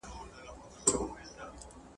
دنګه ونه لکه غروي هره تيږه یې منبر وي ..